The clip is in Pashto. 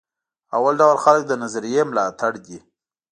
اول ډول خلک د نظریې ملاتړ دي.